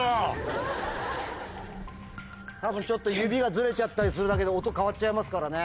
たぶんちょっと指がずれちゃったりするだけで音変わっちゃいますからね。